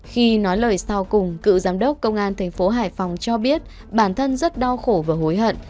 khi nói lời sau cùng cựu giám đốc công an thành phố hải phòng cho biết bản thân rất đau khổ và hối hận